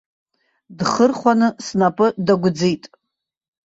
Дхырхәаны снапы дагәӡит.